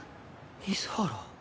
水原。